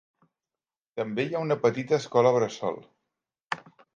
També hi ha una petita escola bressol.